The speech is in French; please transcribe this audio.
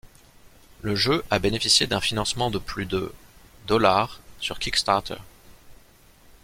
Le jeu a bénéficié d'un financement de plus de $ sur Kickstarter.